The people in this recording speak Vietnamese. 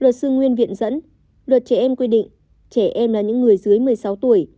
luật sư nguyên viện dẫn luật trẻ em quy định trẻ em là những người dưới một mươi sáu tuổi